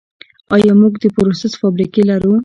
آیا موږ د پروسس فابریکې لرو؟